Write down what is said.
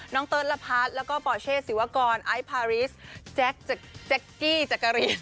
น้องเติร์ตระพัดแล้วก็ปอร์เช่สิวากรไอภาริสแจ๊กแจ๊กกี้จักรีน